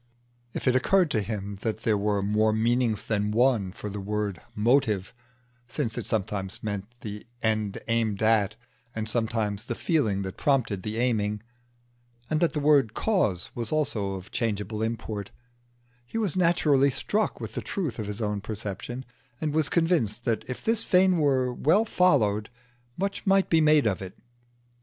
If it occurred to him that there were more meanings than one for the word "motive," since it sometimes meant the end aimed at and sometimes the feeling that prompted the aiming, and that the word "cause" was also of changeable import, he was naturally struck with the truth of his own perception, and was convinced that if this vein were well followed out much might be made of it.